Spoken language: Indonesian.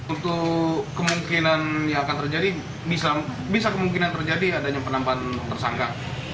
untuk kemungkinan yang akan terjadi bisa kemungkinan terjadi adanya penambahan tersangka